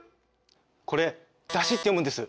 これ「だし」って読むんです。